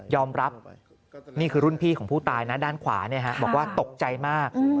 รับนี่คือรุ่นพี่ของผู้ตายนะด้านขวาบอกว่าตกใจมาก